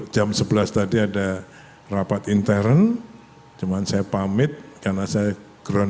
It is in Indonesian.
jalan tol probolinggo besuki sepanjang tujuh puluh lima km